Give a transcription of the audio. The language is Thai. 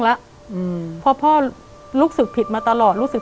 แต่ขอให้เรียนจบปริญญาตรีก่อน